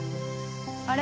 あれ？